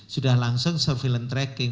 sudah langsung surveillance tracking